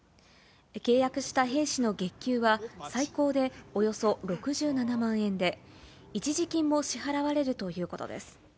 契約した兵士の月給は最高でおよそ６７万円で、一時金も支払われるということです。